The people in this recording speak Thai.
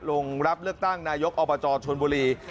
ลงรับเลือกตั้งนายกอบจชนบุรี